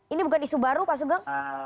ini bukan isu baru pak sugeng